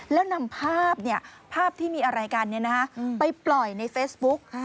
แล้วนำภาพภาพที่มีอะไรกันไปปล่อยในเฟซบุ๊ก